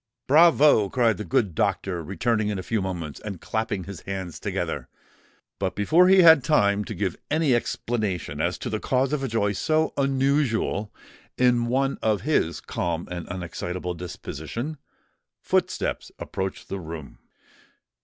"Bravo!" cried the good doctor, returning in a few moments, and clapping his hands together. But before he had time to give any explanation as to the cause of a joy so unusual in one of his calm and unexcitable disposition, footsteps approached the room.